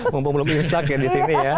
mumpung belum imsak ya di sini ya